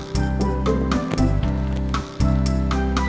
sampai hari ini